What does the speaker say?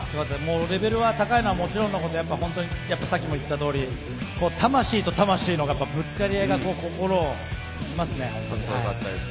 レベルが高いのはもちろんのことさっきも言ったとおり、魂と魂のぶつかり合いが心にきますね。